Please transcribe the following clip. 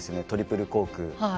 トリプルコーク。